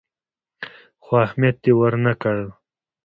خو اهميت دې ورنه کړ.